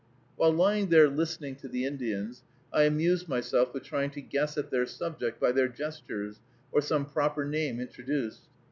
While lying there listening to the Indians, I amused myself with trying to guess at their subject by their gestures, or some proper name introduced.